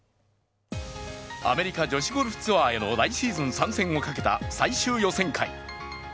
アメリカ女子ゴルフツアーへの来シーズン参戦をかけた最終予選会。